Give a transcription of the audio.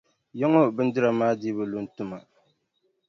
Yaŋɔ bindira maa dii bi lu n-ti ma.